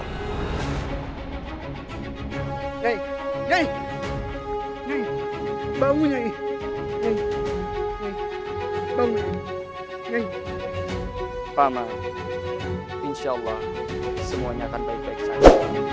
hai hey hey baunya ini banget ya pak man insyaallah semuanya akan baik baik saja